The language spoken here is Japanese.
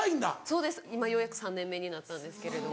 そうです今ようやく３年目になったんですけれども。